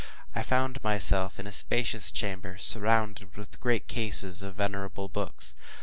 I found myself in a spacious chamber, surrounded with great cases of venerable books.